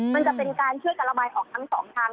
มันจะเป็นการช่วยกันระบายออกทั้งสองทาง